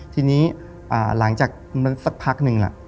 ทีนี้หลังจากสักพักนึงล่ะ